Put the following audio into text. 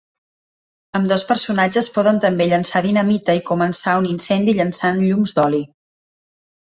Ambdós personatges poden també llançar dinamita i començar un incendi llançant llums d'oli.